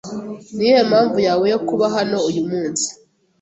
Niyihe mpamvu yawe yo kuba hano uyumunsi?